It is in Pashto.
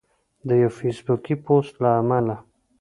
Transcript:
د یو فیسبوکي پوسټ له امله